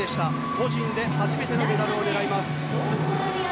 個人で初めてのメダルを狙います。